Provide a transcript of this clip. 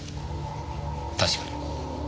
確かに。